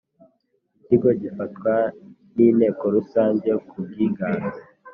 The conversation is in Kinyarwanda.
ikigo gifatwa n inteko rusange ku bwiganze